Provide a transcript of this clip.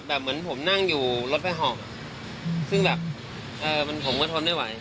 แบบเหมือนผมนั่งอยู่รถแฟงหอมซึ่งแบบผมก็ทนได้เอาไว้